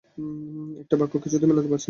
একটা বাক্য কিছুতেই মেলাতে পারছিনা।